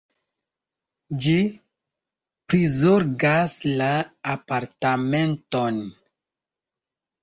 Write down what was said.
Ĝi prizorgas la apartamenton.